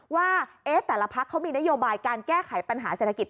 ว่าแต่ละพักเขามีนโยบายการแก้ไขปัญหาเศรษฐกิจ